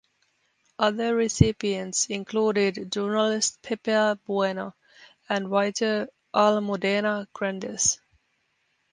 Other recipients included journalist Pepa Bueno and writer Almudena Grandes.